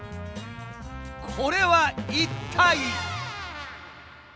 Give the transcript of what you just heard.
これは一体？